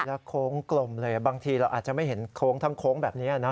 แล้วโค้งกลมเลยบางทีเราอาจจะไม่เห็นโค้งทั้งโค้งแบบนี้นะ